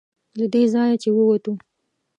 له دې ځایه چې ووتو.